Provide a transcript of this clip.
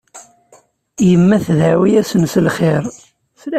Yemma tdeɛɛu-asen s lxir.